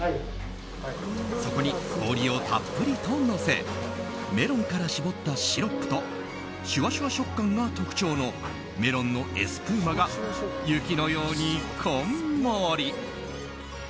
そこに氷をたっぷりとのせメロンから絞ったシロップとシュワシュワ食感が特徴のメロンのエスプーマが雪のようにこんもり。